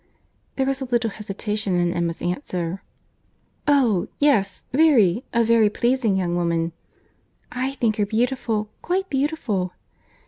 There was a little hesitation in Emma's answer. "Oh! yes—very—a very pleasing young woman." "I think her beautiful, quite beautiful."